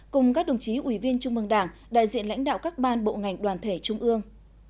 cùng các đồng chí ủy viên trung mương đảng đại diện lãnh đạo các ban bộ ngành đoàn thể trung ương